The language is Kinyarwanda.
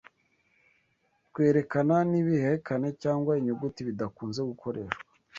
Twerekana n’ibihekane cyangwa inyuguti bidakunze gukoreshwa